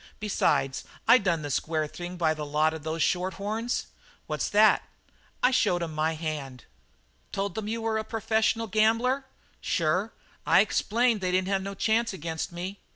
Besides, I done the square thing by the lot of those short horns." "How's that?" "I showed 'em my hand." "Told them you were a professional gambler?" "Sure. I explained they didn't have no chance against me."